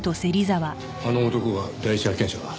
あの男が第一発見者か？